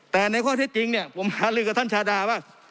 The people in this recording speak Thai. แต่ในข้อเท็จจริงเนี่ยผมหาลือกับท่านชาดาว่า